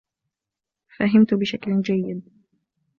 فهمت بشكل جيّد.